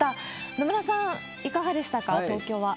野村さん、いかがでしたか？